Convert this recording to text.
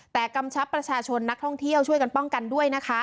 แต่กำชับประชาชนนักท่องเที่ยวช่วยกันป้องกันด้วยนะคะ